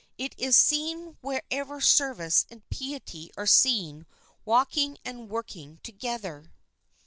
It is seen wherever service and piety are seen H walking and working together.